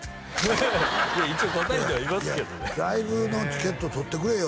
一応答えてはいますけど「ライブのチケット取ってくれよ」